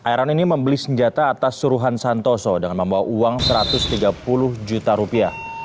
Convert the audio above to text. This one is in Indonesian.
iron ini membeli senjata atas suruhan santoso dengan membawa uang satu ratus tiga puluh juta rupiah